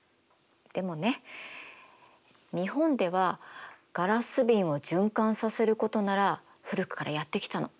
でもね日本ではガラス瓶を循環させることなら古くからやってきたの。